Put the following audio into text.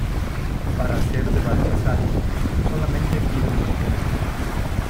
para hacer de Baltasar. solamente pido un poco menos